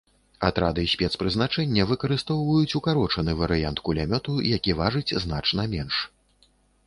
Атрады спецпрызначэння выкарыстоўваюць укарочаны варыянт кулямёту, які важыць значна менш.